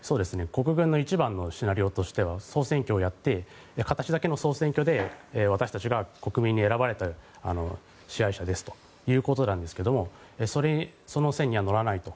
国軍の一番のシナリオとしては総選挙をやって形だけの総選挙で私たちが国民に選ばれた支配者ですということなんですがその線には乗らないと。